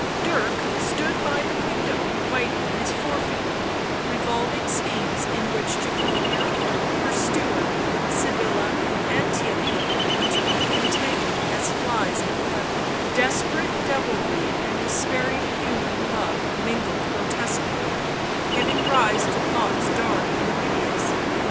Dirk * stood by the window biting his forefinger, revolving schemes in which Jacobea, her steward, Sybilla and Theirry were to be entangled as flies in a web ; desperate devilry and despairing human love mingled grotesquely, giving rise to thoughts dark and hideous.